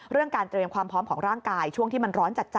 เรื่องการเตรียมความพร้อมของร่างกายช่วงที่มันร้อนจัด